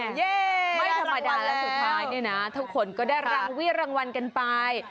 ช่วยกันทีกว่าไม่ธรรมดาและสุดท้ายทุกคนก็ได้รางวิลางวัลกันไป